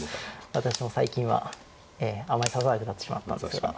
私も最近はあんまり指さなくなってしまったんですが。